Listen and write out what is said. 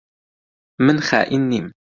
من خائین نیم.